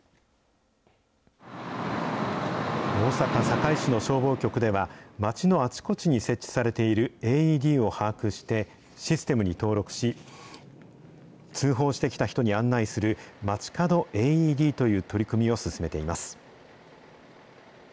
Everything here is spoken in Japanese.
大阪・堺市の消防局では、街のあちこちに設置されているＡＥＤを把握して、システムに登録し、通報してきた人に案内するまちかどＡＥＤという取り組みを進めています。